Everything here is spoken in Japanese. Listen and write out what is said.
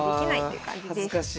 うわ恥ずかしい。